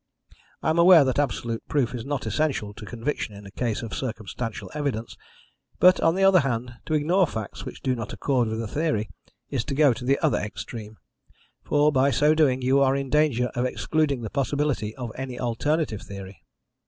I am aware that absolute proof is not essential to conviction in a case of circumstantial evidence, but, on the other hand, to ignore facts which do not accord with a theory is to go to the other extreme, for by so doing you are in danger of excluding the possibility of any alternative theory.